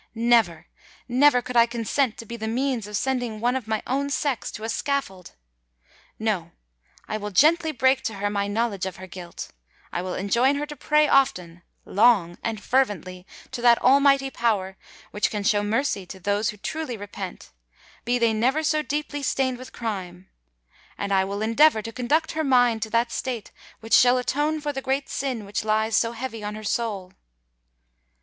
Never—never could I consent to be the means of sending one of my own sex to a scaffold! No: I will gently break to her my knowledge of her guilt; I will enjoin her to pray often—long—and fervently to that Almighty Power which can show mercy to those who truly repent, be they never so deeply stained with crime; and I will endeavour to conduct her mind to that state which shall atone for the great sin which lies so heavy on her soul!"